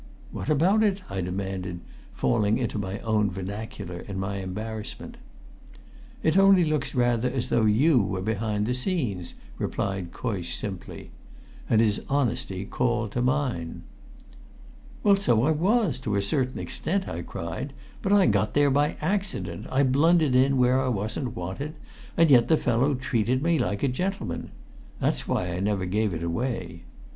"What's about it?" I demanded, falling into my own vernacular in my embarrassment. "It only looks rather as though you were behind the scenes," replied Coysh simply. And his honesty called to mine. "Well, so I was, to a certain extent," I cried; "but I got there by accident, I blundered in where I wasn't wanted, and yet the fellow treated me like a gentleman! That's why I never gave it away.